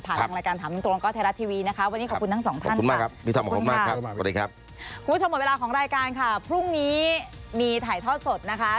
ผ่านเข้าทางละรการถามตรงก็เทราะทัวร์ทีวีนะคะ